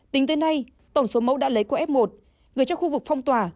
tính tới nay tổng số mẫu đã lấy của f một người trong khu vực phong tỏa